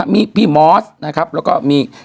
มีพี่มอสนะครับแล้วก็มี